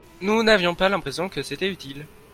nous n'avions pas l'impression que c'était utile.